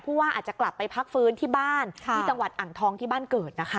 ว่าอาจจะกลับไปพักฟื้นที่บ้านที่จังหวัดอ่างทองที่บ้านเกิดนะคะ